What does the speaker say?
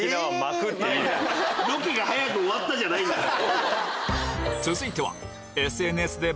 「ロケが早く終わった」じゃないんだから！